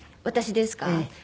私ですか？